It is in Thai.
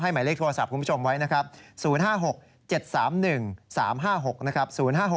หมายเลขโทรศัพท์คุณผู้ชมไว้นะครับ๐๕๖๗๓๑๓๕๖นะครับ